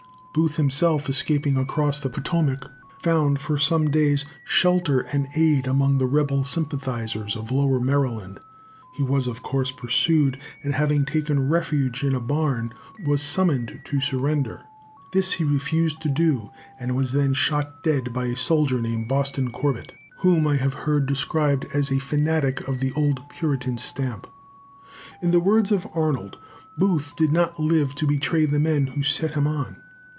Booth himself, escaping across the Potomac, "found, for some days, shelter and aid among the rebel sympathisers of Lower Maryland." He was, of course, pursued, and, having taken refuge in a barn, was summoned to surrender. This he refused to do, and was then shot dead by a soldier named Boston Corbett, whom I have heard described as a fanatic of the old Puritan stamp. In the words of Arnold, Booth did not live to betray the men who set him on.